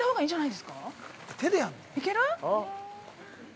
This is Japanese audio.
いける！？